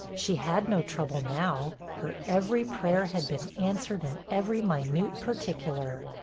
She had no trouble now; her every prayer had been answered in every minute particular.